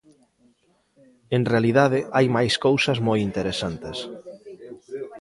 En realidade hai máis cousas moi interesantes.